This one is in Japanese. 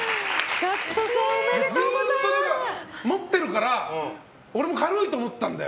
ずっと持っているから俺も軽いと思ったんだよ。